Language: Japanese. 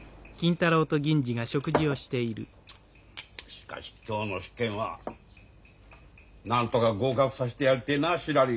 しかし今日の試験はなんとか合格させてやりてえなしらり。